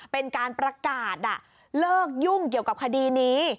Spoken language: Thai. เป็นการประกาศเลิกยุ่งเกี่ยวกับคดีนี้